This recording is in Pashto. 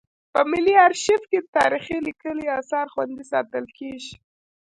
په ملي ارشیف کې تاریخي لیکلي اثار خوندي ساتل کیږي.